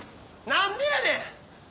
何でやねん！